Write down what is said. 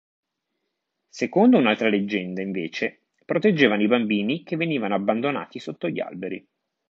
Secondo un'altra leggenda invece, proteggevano i bambini che venivano abbandonati sotto gli alberi.